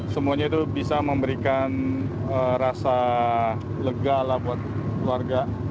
semuanya itu bisa memberikan rasa lega lah buat keluarga